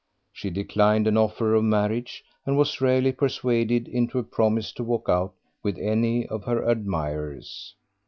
She declined an offer of marriage, and was rarely persuaded into a promise to walk out with any of her admirers.